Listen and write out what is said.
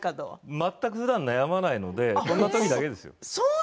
全くふだん悩まないのでこのときだけです。